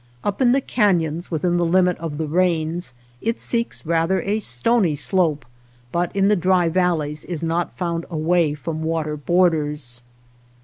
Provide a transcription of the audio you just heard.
Up in the canons, within the limit of the rains, it seeks rather a stony slope, but in the dry valleys is not found away from water borders.